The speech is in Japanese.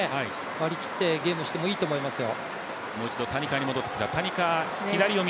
割り切ってゲームしてもいいと思いますよ。